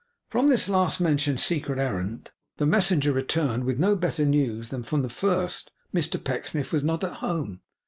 From this last mentioned secret errand, the messenger returned with no better news than from the first; Mr Pecksniff was not at home.